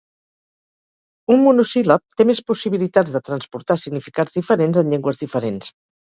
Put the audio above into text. Un monosíl·lab té més possibilitats de transportar significats diferents en llengües diferents.